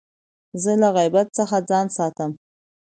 زه له غیبت څخه ځان ساتم.